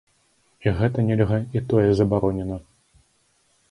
І гэта нельга, і тое забаронена.